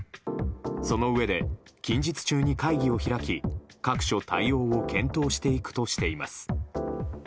そのうえで、近日中に会議を開き各所、対応を検討していくとしています。